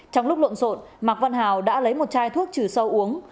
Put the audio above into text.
trong lúc bận rộn mạc văn hào đã lấy một chai thuốc trừ sâu uống